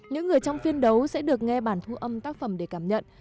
những người trong phiên đấu sẽ được nghe bản thu âm tác phẩm để cảm nhận